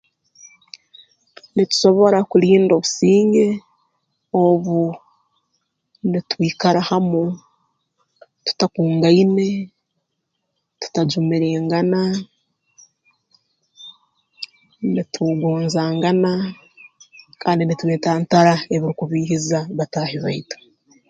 Nitusobora kulinda obusinge obu nitwikara hamu tutakungaine tutajumirengana nitugonzangana kandi nitwetantara ebi rukukubiihiza bataahi baitu